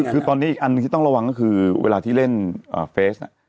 คือตอนนี้อีกอันหนึ่งที่ต้องระวังก็คือเวลาที่เล่นเฟส